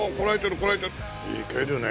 いけるね。